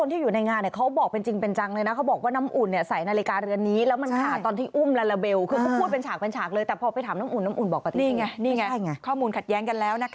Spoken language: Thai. นี่ไงของเขาและคนที่อยู่ในงาน